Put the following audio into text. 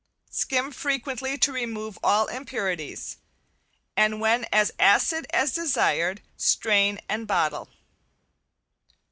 Skim frequently to remove all impurities, and when as acid as desired, strain and bottle.